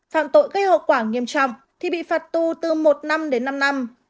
phạm tội gây hậu quả nghiêm trọng thì bị phạt tù từ một năm đến năm năm